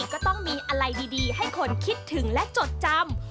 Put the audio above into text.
ก็ต้องมีอะไรดีให้คนคิดถึงและจดจำ